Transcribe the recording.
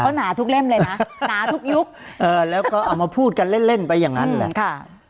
เขาหนาทุกเล่มเลยนะหนาทุกยุคเออแล้วก็เอามาพูดกันเล่นเล่นไปอย่างนั้นแหละค่ะ